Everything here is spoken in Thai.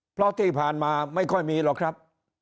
เพราะที่ผ่านมาไม่ค่อยมีหรอกครับ